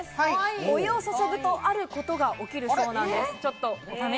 お湯を注ぐと、あることが起こるそうです。